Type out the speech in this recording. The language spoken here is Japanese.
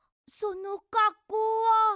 そのかっこうは。